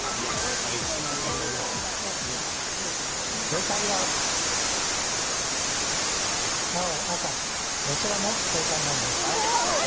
正解は青、赤どちらも正解なんです。